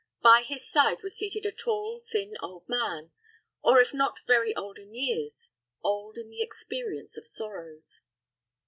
By his side was seated a tall, thin old man, or if not very old in years, old in the experience of sorrows.